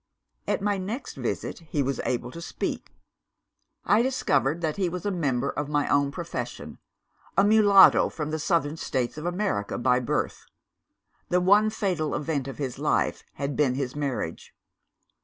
"At my next visit he was able to speak. "I discovered that he was a member of my own profession a mulatto from the Southern States of America, by birth. The one fatal event of his life had been his marriage.